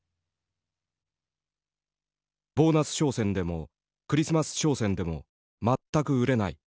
「ボーナス商戦でもクリスマス商戦でも全く売れない。